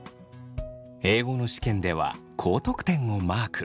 英語の試験では高得点をマーク。